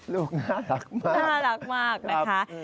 ลูกน่ารักมากน่ารักมากนะคะ